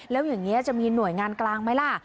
แล้วอย่างนี้จะมีหน่วยงานกลางไหมล่ะ